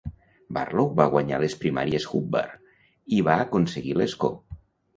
Barlow va guanyar les primàries Hubbard i va aconseguir l'escó.